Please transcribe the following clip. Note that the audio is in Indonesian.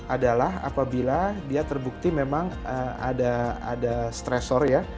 adalah apabila dia terbukti memang ada stressor